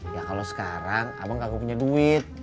ya kalau sekarang abang gak punya duit